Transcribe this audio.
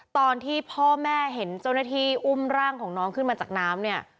ตอนที่พ่อแม่เห็นเจ้าหน้าที่อุ้มร่างของน้องขึ้นมาจากน้ำเนี่ย